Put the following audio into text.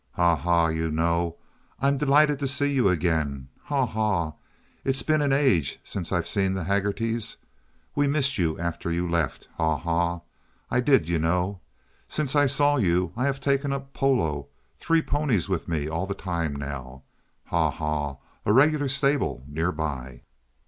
"Haw! haw! You know, I'm delighted to see you again. Haw! haw! It's been an age since I've seen the Haggertys. We missed you after you left. Haw! haw! I did, you know. Since I saw you I have taken up polo—three ponies with me all the time now—haw! haw!—a regular stable nearly."